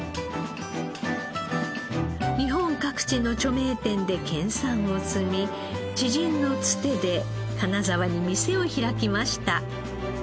日本各地の著名店で研鑽を積み知人のつてで金沢に店を開きました。